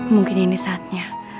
mungkin ini saatnya